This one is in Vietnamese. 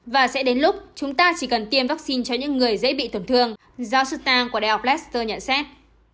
và sẽ đến lúc chúng ta chỉ cần tiêm vaccine cho những người dễ bị tổn thương giáo sư tang của đại học laster nhận xét